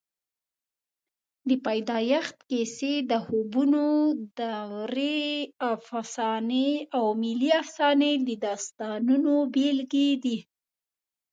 د پیدایښت کیسې، د خوبونو دورې افسانې او ملي افسانې د داستانونو بېلګې دي.